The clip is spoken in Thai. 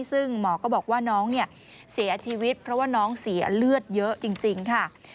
ซึ่งหมอก็บอกว่าน้องเนี่ยเสียชีวิตเพราะว่าน้องเสียเลือดเยอะจริงค่ะ